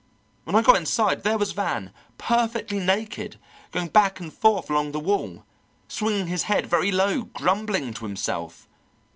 When I got inside there was Van, perfectly naked, going back and forth along the wall, swinging his head very low, grumbling to himself.